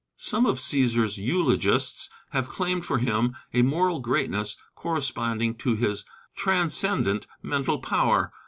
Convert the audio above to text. Some of Cæsar's eulogists have claimed for him a moral greatness corresponding to his transcendent mental power.